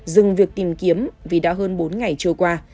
dừng việc tìm kiếm vì đã hơn bốn ngày trôi qua